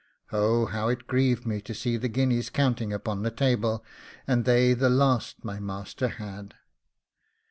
Oh, how it grieved me to see the guineas counting upon the table, and they the last my master had!